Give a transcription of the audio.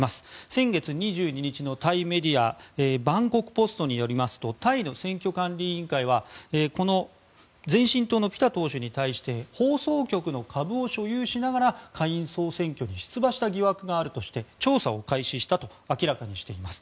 先月２２日のタイメディアバンコクポストによりますとタイの選挙管理委員会はこの前進党のピタ党首に対して放送局の株を所有しながら下院総選挙に出馬した疑惑があるとして調査を開始したと明らかにしています。